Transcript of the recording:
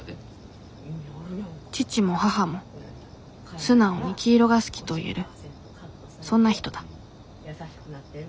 父も母も素直に黄色が好きと言えるそんな人だ。